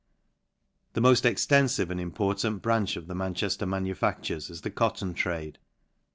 The moll extenfive and important branch of the Manchefter manufactures is the cotton trade.